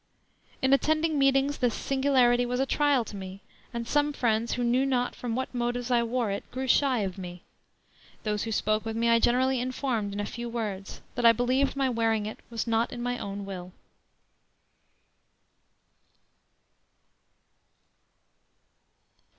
"In attending meetings, this singularity was a trial to me~.~.~. and some Friends, who knew not from what motives I wore it, grew shy of me.~.~.~. Those who spoke with me I generally informed, in a few words, that I believed my wearing it was not in my own will."